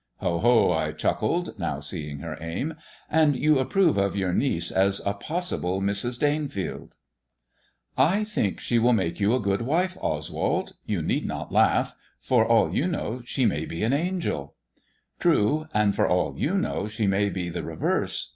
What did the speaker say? " Ho, ho," I chuckled, now seeing her aim. And you pprove of your niece as a possible Mrs. Danefleld ?" S68 MY COUSIN FROM FRANCE " I think she will make you a good wif e^ Oswald. Yoa need not laugh. For all you know, she may be an angel." " True ; and for all you know, she may be the reverse.